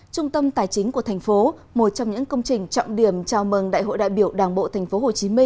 trung tâm tài chính của thành phố một trong những công trình trọng điểm chào mừng đại hội đại biểu đảng bộ tp hcm